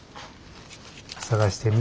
探してみ。